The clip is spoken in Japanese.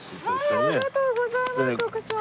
ありがとうございます徳さん。